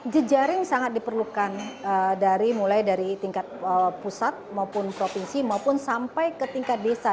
jejaring sangat diperlukan mulai dari tingkat pusat maupun provinsi maupun sampai ke tingkat desa